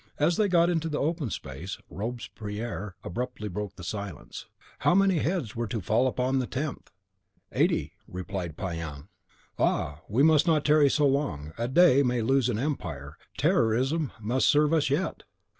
As they got into the open space, Robespierre abruptly broke the silence. "How many heads were to fall upon the tenth?" "Eighty," replied Payan. "Ah, we must not tarry so long; a day may lose an empire: terrorism must serve us yet!"